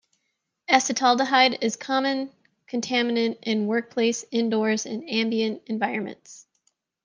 Acetaldehyde is common contaminant in workplace, indoors, and ambient environments.